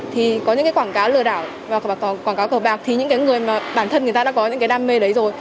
thì có những cái quảng cáo lừa đảo và quảng cáo cờ bạc thì những cái người mà bản thân người ta đã có những cái đam mê đấy rồi